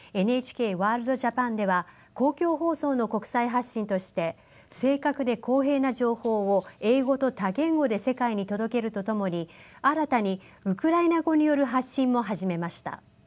「ＮＨＫワールドＪＡＰＡＮ」では公共放送の国際発信として正確で公平な情報を英語と多言語で世界に届けるとともに新たにウクライナ語による発信も始めました。